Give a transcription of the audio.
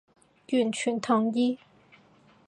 完全同意